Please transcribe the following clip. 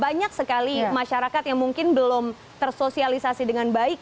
banyak sekali masyarakat yang mungkin belum tersosialisasi dengan baik